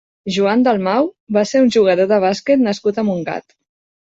Joan Dalmau va ser un jugador de bàsquet nascut a Montgat.